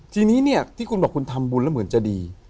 ทีนี้เนี่ยที่คุณบอกคุณทำบุญแล้วเหมือนจะดี